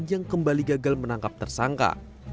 yang kembali gagal menangkap tersangka